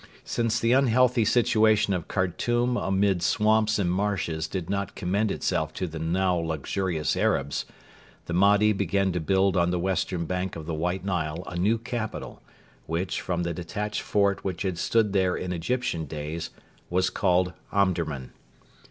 Since the unhealthy situation of Khartoum amid swamps and marshes did not commend itself to the now luxurious Arabs, the Mahdi began to build on the western bank of the White Nile a new capital, which, from the detached fort which had stood there in Egyptian days, was called Omdurman.